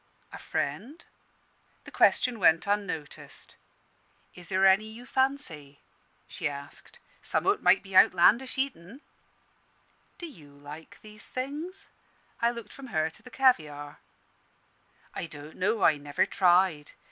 "A friend?" The question went unnoticed. "Is there any you fancy?" she asked. "Some o't may be outlandish eatin'." "Do you like these things?" I looked from her to the caviare. "I don't know. I never tried.